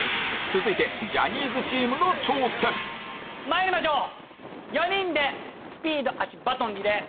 まいりましょう４人でスピード足バトンリレー。